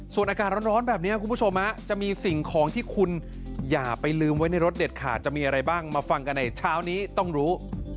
ส่วนอากาศร้อนแบบนี้คุณผู้ชมจะมีสิ่งของที่คุณอย่าไปลืมไว้ในรถเด็ดขาดจะมีอะไรบ้างมาฟังกันในเช้านี้ต้องรู้